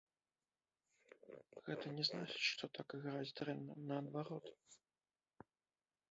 Гэта не значыць, што так іграць дрэнна, наадварот.